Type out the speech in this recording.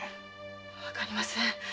わかりません。